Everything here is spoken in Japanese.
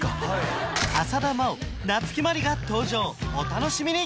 浅田真央夏木マリが登場お楽しみに！